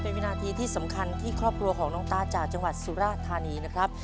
เป็นวินาทีที่สำคัญที่ครอบครัวของน้องตาจากจังหวัดสุราชธานีนะครับ